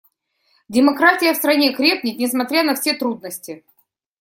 Демократия в стране крепнет, несмотря на все трудности.